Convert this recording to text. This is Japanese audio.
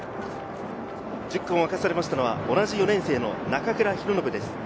１０区を任されたのは同じ４年生の中倉啓敦です。